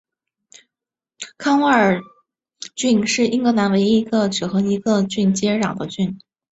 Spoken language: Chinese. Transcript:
康沃尔郡是英格兰唯一一个只和一个郡接壤的郡。